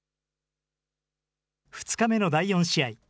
２日目の第４試合。